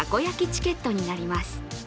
チケットになります。